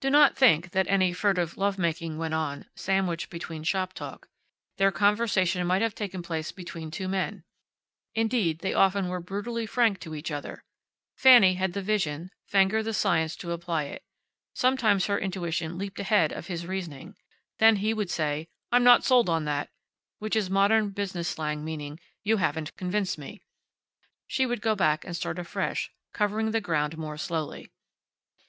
Do not think that any furtive love making went on, sandwiched between shop talk. Their conversation might have taken place between two men. Indeed, they often were brutally frank to each other. Fanny had the vision, Fenger the science to apply it. Sometimes her intuition leaped ahead of his reasoning. Then he would say, "I'm not sold on that," which is modern business slang meaning, "You haven't convinced me." She would go back and start afresh, covering the ground more slowly.